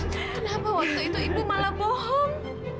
kenapa waktu itu ibu malah bohong